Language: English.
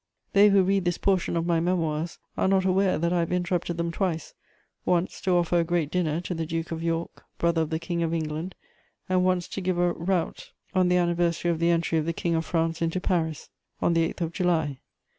They who read this portion of my Memoirs are not aware that I have interrupted them twice: once to offer a great dinner to the Duke of York, brother of the King of England; and once to give a rout on the anniversary of the entry of the King of France into Paris, on the 8th of July.